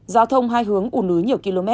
giao thông hai hướng ủn ứ nhiều km